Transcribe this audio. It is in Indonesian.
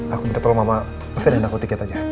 aku minta tolong mama pesenin aku tiket aja